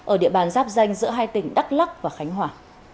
ở địa bàn giáp danh giữa hai tỉnh đắk lắc và khánh hòa